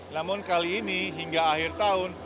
namun kali ini hingga akhir tahun